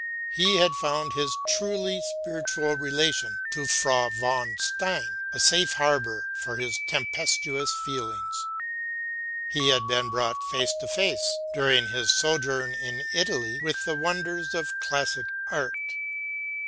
He had found in his truly spiritual relation to Frau von Stein a safe harbor for his tempestuous feelings. He had been brought face to face, during his sojourn in Italy, with the wonders of classic art.